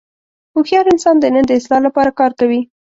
هوښیار انسان د نن د اصلاح لپاره کار کوي.